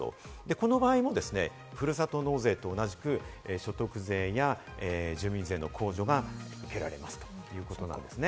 この場合もですね、ふるさと納税と同じく所得税や住民税の控除が受けられますということなんですね。